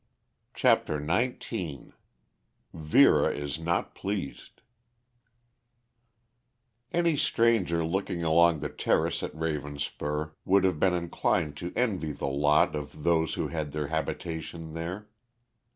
CHAPTER XIX VERA IS NOT PLEASED Any stranger looking along the terrace at Ravenspur would have been inclined to envy the lot of those who had their habitation there.